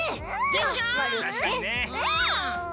でしょう？